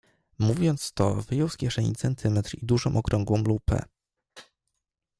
"Mówiąc to wyjął z kieszeni centymetr i dużą okrągłą lupę."